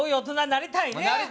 なりたい。